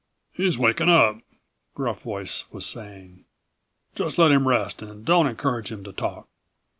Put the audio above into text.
"He's waking up," Gruff Voice was saying. "Just let him rest and don't encourage him to talk.